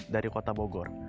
dari kota bogor